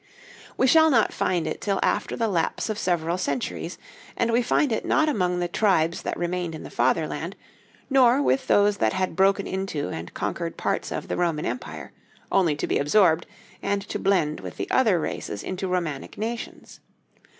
We shall not find it till after the lapse of several centuries; and we find it not among the tribes that remained in the fatherland, nor with those that had broken into and conquered parts of the Roman empire, only to be absorbed and to blend with other races into Romanic nations.